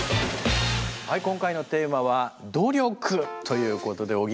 はい今回のテーマは「努力」ということで。